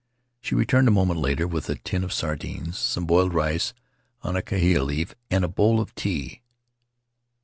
She returned a moment later with a tin of sardines, some boiled rice on a hahaia leaf, and a bowl of tea.